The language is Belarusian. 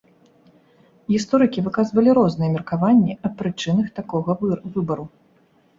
Гісторыкі выказвалі розныя меркаванні аб прычынах такога выбару.